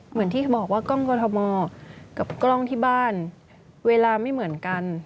เหมือนที่บอกว่ากล้องกรทมกับกล้องที่บ้านเวลาไม่เหมือนกัน